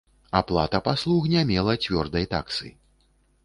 Аплата паслуг не мела цвёрдай таксы.